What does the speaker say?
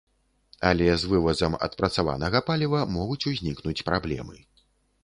Але з вывазам адпрацаванага паліва могуць узнікнуць праблемы.